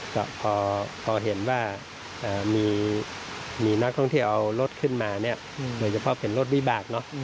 ก็พอเห็นว่ามีนักท่องเที่ยวเอารถขึ้นมาเนี่ยโดยเฉพาะเป็นรถวิบากเนอะ